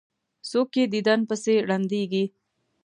څوک یې دیدن پسې ړندیږي.